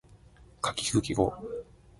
虹を追いかけるときれいな虹があります